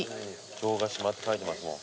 城ヶ島って書いてますもん。